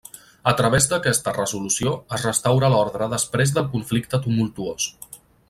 A través d'aquesta resolució es restaura l'ordre després del conflicte tumultuós.